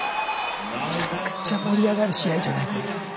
めちゃくちゃ盛り上がる試合じゃないこれ。